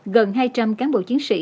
gần hai trăm linh cán bộ chiến sĩ